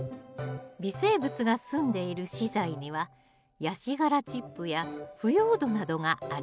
微生物がすんでいる資材にはヤシ殻チップや腐葉土などがあります。